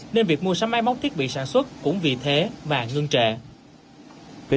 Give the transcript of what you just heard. nên việc mua sắm máy móc thiết bị sản xuất cũng vì thế mà ngưng trệ